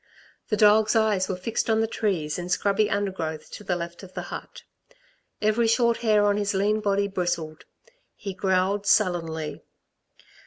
The dog's eyes were fixed on the trees and scrubby undergrowth to the left of the hut. Every short hair on his lean body bristled. He growled sullenly.